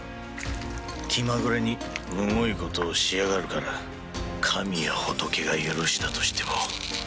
気まぐれにむごいことをしやがるから神や仏が許したとしても。